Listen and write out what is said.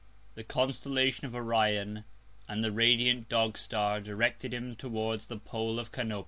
The Constellation of Orion, and the radiant Dog star directed him towards the Pole of Canope.